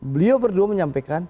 beliau berdua menyampaikan